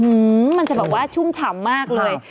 มันจะแบบว่าชุ่มฉ่ำมากเลย